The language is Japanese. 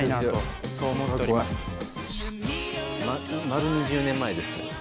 丸２０年前です。